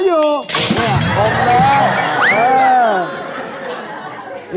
อาหารการกิน